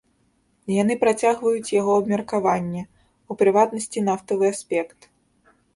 Яны працягваюць яго абмеркаванне, у прыватнасці нафтавы аспект.